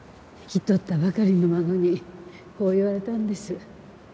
引き取ったばかりの孫にこう言われたんです。